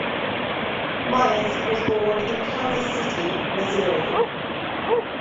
Myers was born in Kansas City, Missouri.